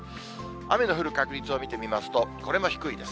雨の降る確率を見てみますと、これも低いです。